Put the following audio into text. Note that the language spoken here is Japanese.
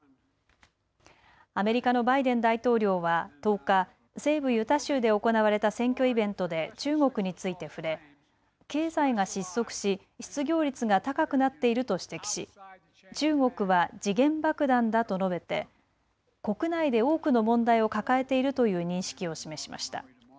アメリカのバイデン大統領は１０日、西部ユタ州で行われた選挙イベントで中国について触れ経済が失速し失業率が高くなっていると指摘し中国は時限爆弾だと述べて国内で多くの問題を抱えているという認識を示しました。